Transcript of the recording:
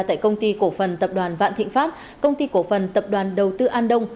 tại công ty cổ phần tập đoàn vạn thịnh pháp công ty cổ phần tập đoàn đầu tư an đông